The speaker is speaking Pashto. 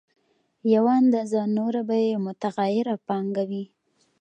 یوه اندازه نوره به یې متغیره پانګه وي